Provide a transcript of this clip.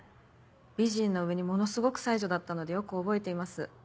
美人な上にものすごく才女だったのでよく覚えています。